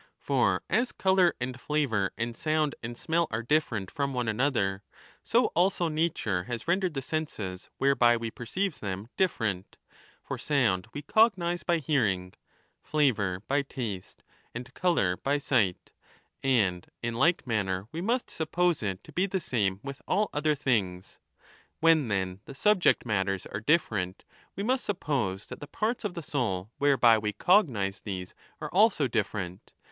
For as colour and flavour and sound and smell are different from one another, 20 so also nature has rendered the senses whereby we perceive them different (for sound we cognise by hearing, flavour by taste, and colour by sight), and in like manner we must suppose it to be the same with all other things. When, then, the subject matters are different, we must suppose that the parts of the soul whereby we cognise these are 25 also different.